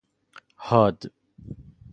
حاد